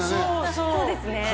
そうですね